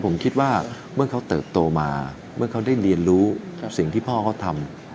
ผมคิดว่าเมื่อเขาเติบโตมาเมื่อเขาได้เรียนรู้สิ่งที่พ่อเขาทำ